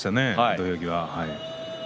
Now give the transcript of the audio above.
土俵際。